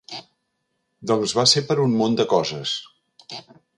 Doncs va ser per un munt de coses.